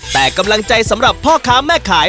แต่กำลังใจสำหรับพ่อค้าแม่ขาย